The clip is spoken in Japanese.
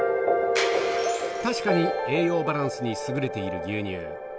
確かに栄養バランスに優れている牛乳。